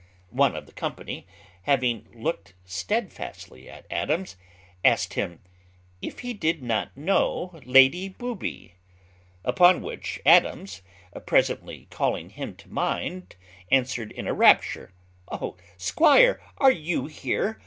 One of the company, having looked steadfastly at Adams, asked him, "If he did not know Lady Booby?" Upon which Adams, presently calling him to mind, answered in a rapture, "O squire! are you there?